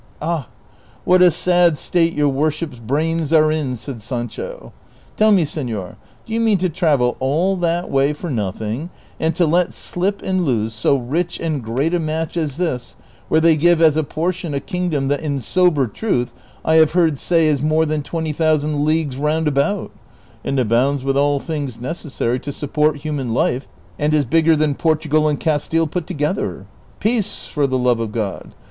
" Ah ! what a sad state your worship's brains are in !" said Sancho. " Tell me, seiior, do you mean to travel all that way for nothing, and to let slip and lose so rich and great a match as this Avhere they give as a portion a kingdom that in sober truth I have heard say is more than twenty thousand leagues round about, and abounds with all things necessary to support human life, and is bigger than Portugal and Castile put to gether ? Peace, for the love of God